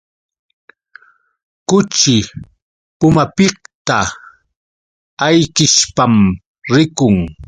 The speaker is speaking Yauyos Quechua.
Kuchi pumapiqta ayqishpam rikun.